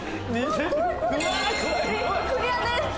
クリアです。